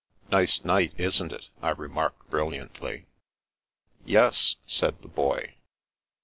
Nice night, isn't it ?" I remarked brilliantly. Yes," said the Boy.